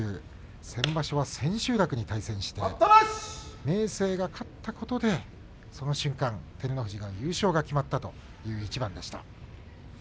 先場所は千秋楽に対戦して明生が勝ったことでその瞬間照ノ富士の優勝が決まりました。